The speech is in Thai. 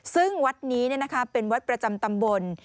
ซึ่งวัดนี้เป็นวัดประจำตำบล